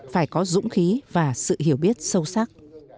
phải có dũng khí và sự hiểu biết sâu sắc